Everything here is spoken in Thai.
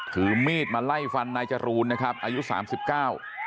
ถือมีดมาไล่ฟันนายจรูนนะครับอายุสามสิบเก้า